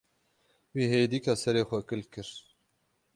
Wî hêdîka serê xwe kil kir.